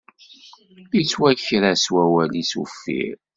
Yettwaker-as wawal-is uffir.